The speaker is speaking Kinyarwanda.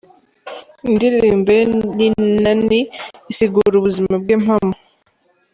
Indirimbo ye Ninani isigura ubuzima bwe mpamo.